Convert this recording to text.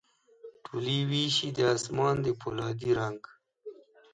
ټولي ویشي د اسمان د پولا دي رنګ،